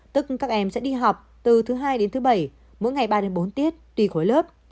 tức các em sẽ đi học từ thứ hai đến thứ bảy mỗi ngày ba đến bốn tiết tùy khối lớp